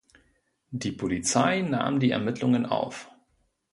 Die Polizei nahm die Ermittlungen auf.